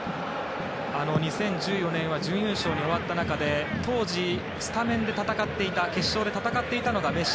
２０１４年は準優勝に終わった中で当時、スタメンで戦っていた決勝で戦っていたのがメッシ。